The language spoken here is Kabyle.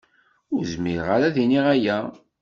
Ur zmireɣ ad iniɣ aya.